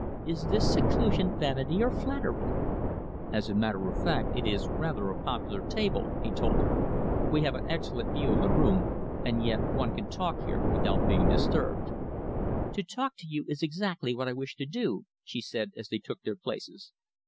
"Is this seclusion vanity or flattery?" "As a matter of fact, it is rather a popular table," he told her. "We have an excellent view of the room, and yet one can talk here without being disturbed." "To talk to you is exactly what I wish to do," she said, as they took their places.